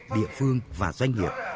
địa phương và doanh nghiệp